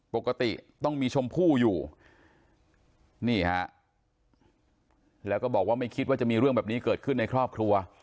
ปกติต้องมีชมพู่อยู่นี่ฮะแล้วก็บอกว่าไม่คิดว่าจะมีเรื่องแบบนี้เกิดขึ้นในครอบครัว